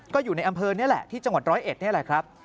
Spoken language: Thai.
ก็อยู่ในอำเภอนี่แหละที่จังหวัดร้อยเอ็ดนี่แหละครับ